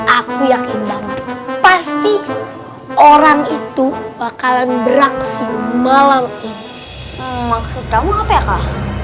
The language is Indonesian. aku yakin banget pasti orang itu bakalan beraksi malam ini maksud kamu apa